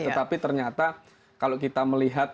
tetapi ternyata kalau kita melihat